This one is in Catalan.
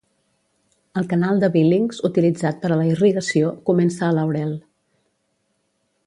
El canal de Billings, utilitzat per a la irrigació, comença a Laurel.